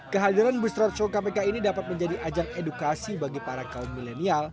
kehadiran bus roadshow kpk ini dapat menjadi ajang edukasi bagi para kaum milenial